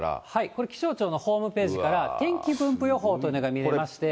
これ、気象庁のホームページから、天気分布予報というのが見れまして。